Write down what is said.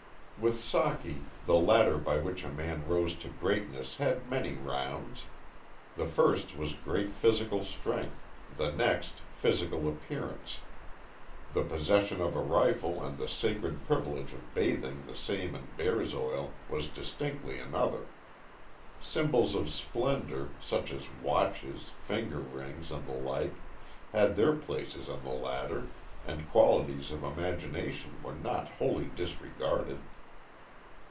With Socky the ladder by which a man rose to greatness had many rounds. The first was great physical strength, the next physical appearance; the possession of a rifle and the sacred privilege of bathing the same in bear's oil was distinctly another; symbols of splendor, such as watches, finger rings, and the like, had their places in the ladder, and qualities of imagination were not wholly disregarded.